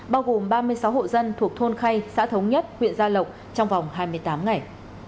bao gồm ba mươi sáu hộ dân thuộc thôn khay xã thống nhất huyện gia lộc trong vòng hai mươi tám ngày